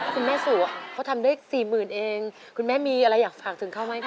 คุณแม่สู่เขาทำได้สี่หมื่นเองคุณแม่มีอะไรอยากฝากถึงเขาไหมคะ